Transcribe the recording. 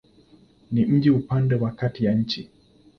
Ni mji upande wa kati ya nchi.